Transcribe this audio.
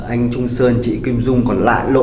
anh trung sơn chị kim dung còn lại lộn lại